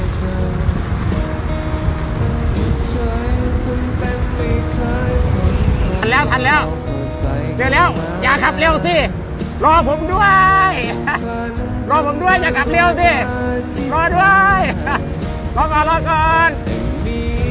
ทันแล้วทันแล้วเดี๋ยวแล้วอย่าขับเร็วสิรอผมด้วยรอผมด้วย